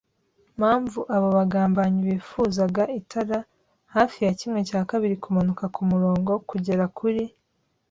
mpamvu abo bagambanyi bifuzaga itara. Hafi ya kimwe cya kabiri kumanuka kumurongo kugera kuri